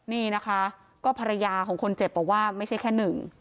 นี่นะคะก็ภรรยาของคนเจ็บบอกว่าไม่ใช่แค่หนึ่ง